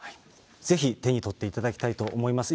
ぜひ手に取っていただきたいと思います。